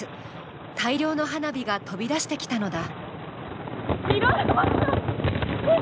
大量の花火が飛び出してきたのだ。